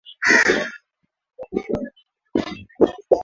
hiyo inakuwa sasa njia moja ya kuanza aaa